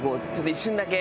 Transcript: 一瞬だけ。